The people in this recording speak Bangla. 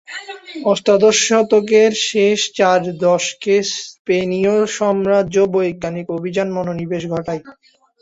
অষ্টাদশ শতকের শেষ চার দশকে স্পেনীয় সাম্রাজ্য বৈজ্ঞানিক অভিযানে মনোনিবেশ ঘটায়।